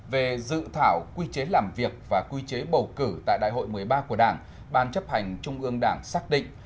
về dự thảo quy chế làm việc và quy chế bầu cử tại đại hội một mươi ba của đảng ban chấp hành trung ương đảng xác định